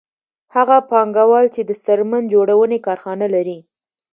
هغه پانګوال چې د څرمن جوړونې کارخانه لري